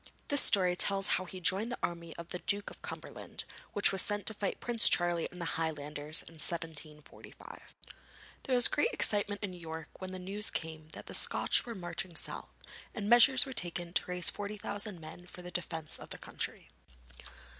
This story tells how he joined the army of the Duke of Cumberland, which was sent to fight Prince Charlie and the Highlanders in 1745. There was great excitement in York when the news came that the Scotch were marching south, and measures were taken to raise 4,000 men for the defence of the country.